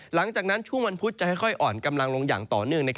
หลังจากนั้นช่วงวันพุธจะค่อยอ่อนกำลังลงอย่างต่อเนื่อง